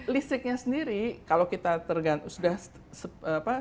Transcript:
listriknya sendiri kalau kita tergantung sudah ketergantungan sebesar besar